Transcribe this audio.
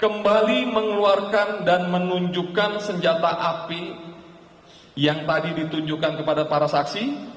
kembali mengeluarkan dan menunjukkan senjata api yang tadi ditunjukkan kepada para saksi